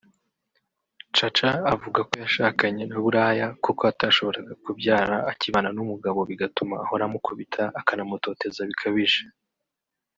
Chacha avuga ko yashakanye na Buraya kuko atashoboraga kubyara akibana n’umugabo bigatuma ahora amukubita akanamutoteza bikabije